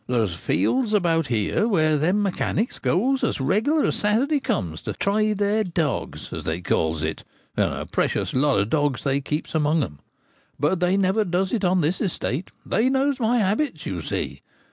There's fields about here where them mechanics goes as regular as Saturday comes to try their dogs, as they calls it — and a precious lot of dogs they keeps among 'em. But they never does it on this estate : they knows my habits, you see.